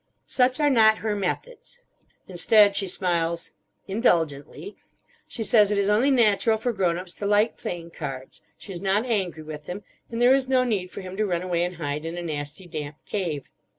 "Such are not her methods." Instead she smiles: "indulgently." She says it is only natural for grown ups to like playing cards. She is not angry with him. And there is no need for him to run away and hide in a nasty damp cave.